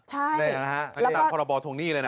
ใช่นะฮะแล้วก็ตามพรบทรงนี้เลยนะ